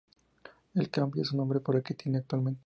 El cambia su nombre por el que tiene actualmente.